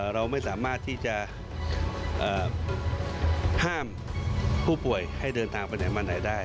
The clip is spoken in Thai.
เราไม่สามารถที่จะห้ามผู้ป่วยให้เดินทางไปไหนมาไหนได้